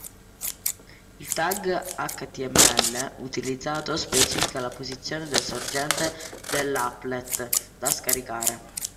Il "tag html" utilizzato specifica la posizione del sorgente dell'Applet da scaricare.